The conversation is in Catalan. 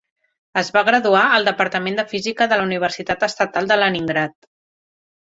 Es va graduar al Departament de Física de la Universitat Estatal de Leningrad.